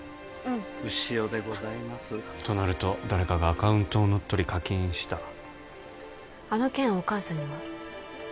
うん潮でございますとなると誰かがアカウントを乗っ取り課金したあの件お母さんには？